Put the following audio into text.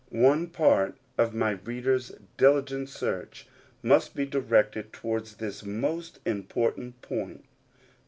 One part of my reader's diligent search must be directed towards this most important point.